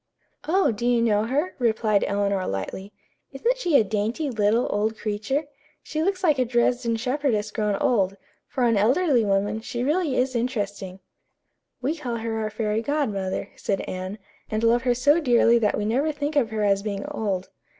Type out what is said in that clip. "Oh, do you know her?" replied Eleanor lightly. "Isn't she a dainty, little, old creature? She looks like a Dresden shepherdess grown old. For an elderly woman, she really is interesting." "We call her our fairy godmother," said Anne, "and love her so dearly that we never think of her as being old."